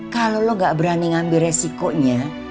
kalau lo gak berani ngambil resikonya